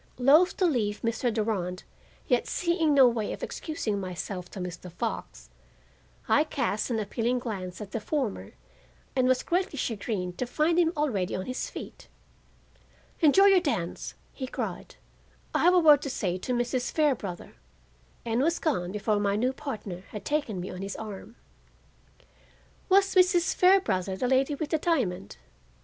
Loath to leave Mr. Durand, yet seeing no way of excusing myself to Mr. Fox, I cast an appealing glance at the former and was greatly chagrined to find him already on his feet. "Enjoy your dance," he cried; "I have a word to say to Mrs. Fairbrother," and was gone before my new partner had taken me on his arm. Was Mrs. Fairbrother the lady with the diamond?